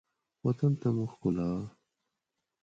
وطن ته مو ښکلا